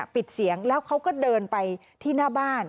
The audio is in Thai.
ปิดเสียงแล้วเขาก็เดินไปที่หน้าบ้าน